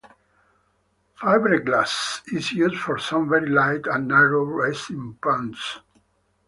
Fibreglass is used for some very light and narrow racing punts.